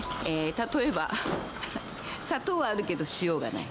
例えば砂糖はあるけど塩がない。